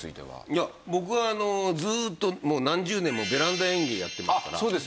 いや僕はずーっと何十年もベランダ園芸やってますから。